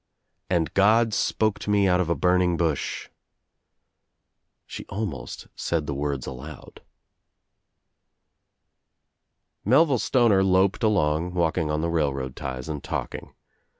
"And God spoke to me out of a burning bush." She almost said the words aloud. Melville Stoner loped along, walking on the railroad ties and talking.